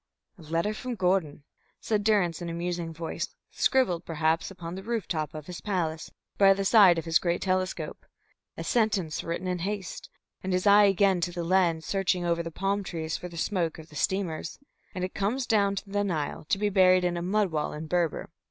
"A letter from Gordon," said Durrance, in a musing voice, "scribbled perhaps upon the roof top of his palace, by the side of his great telescope a sentence written in haste, and his eye again to the lens, searching over the palm trees for the smoke of the steamers and it comes down the Nile to be buried in a mud wall in Berber.